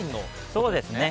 そうですね。